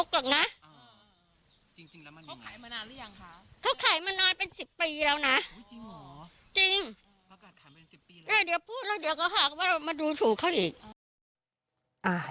เดี๋ยวพูดแล้วเดี๋ยวก็หากันว่ามาดูถูกเขาอีก